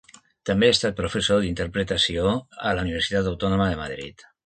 També ha estat professor d'interpretació a la Universitat Autònoma de Madrid.